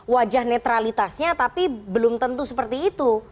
wajah netralitasnya tapi belum tentu seperti itu